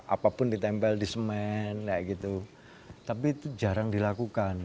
apapun ditempel di semen kayak gitu tapi itu jarang dilakukan